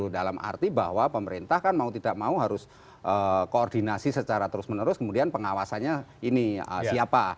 dalam arti bahwa pemerintah kan mau tidak mau harus koordinasi secara terus menerus kemudian pengawasannya ini siapa